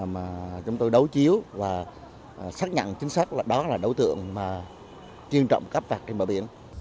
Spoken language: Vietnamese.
mà chúng tôi đấu chiếu và xác nhận chính xác là đó là đối tượng mà chuyên trộm cắp vạt trên bãi biển